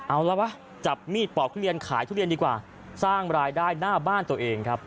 เอาละวะจับมีดปอกทุเรียนขายทุเรียนดีกว่าสร้างรายได้หน้าบ้านตัวเองครับ